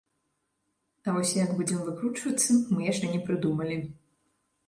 А вось як будзем выкручвацца, мы яшчэ не прыдумалі.